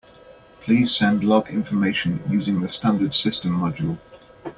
Please send log information using the standard system module.